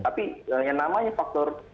tapi yang namanya faktor